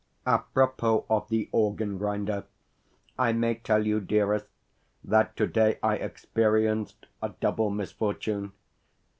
Apropos of the organ grinder, I may tell you, dearest, that today I experienced a double misfortune.